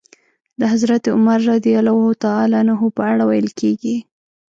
د حضرت عمر رض په اړه ويل کېږي.